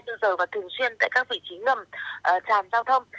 bốn giờ và thường xuyên tại các vị trí ngầm tràn giao thông